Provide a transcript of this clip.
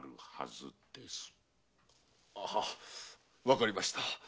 あわかりました。